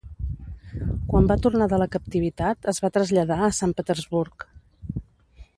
Quan va tornar de la captivitat, es va traslladar a Sant Petersburg.